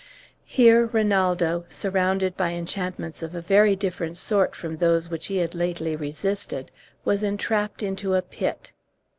Here Rinaldo, surrounded by enchantments of a very different sort from those which he had lately resisted, was entrapped into a pit.